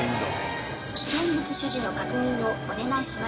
危険物所持の確認をお願いします。